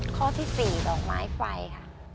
ข้อที่สี่ดอกไม้ไฟครับ